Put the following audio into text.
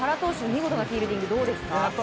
見事なフィールディングどうですか。